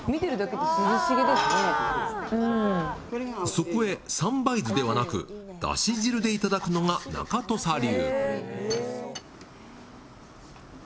そこへ三杯酢ではなく、だし汁でいただくのが中土佐流。